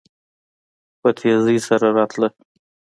په تيزی سره راته.